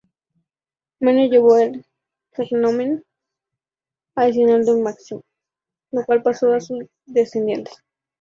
Manio llevó el "cognomen" adicional de Máximo, el cual pasó a sus descendientes.